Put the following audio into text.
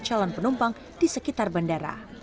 calon penumpang di sejarah